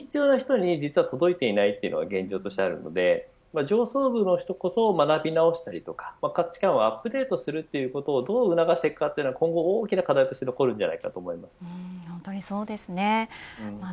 つまり本当に必要な人に実は届いていないというのが現状としてあるので上層部の人こそ学び直したりとか価値感をアップデートするということをどう促していくかは大きな課題として本当にそうですね。